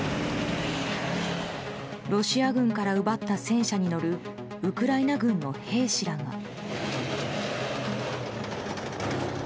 ロシア軍から奪った戦車に乗るウクライナ軍の兵士らが。